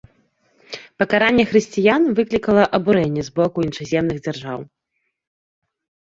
Пакаранне хрысціян выклікала абурэнне з боку іншаземных дзяржаў.